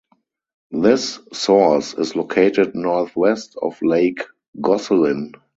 This source is located northwest of Lake Gosselin.